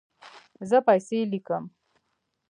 زه پیسې لیکم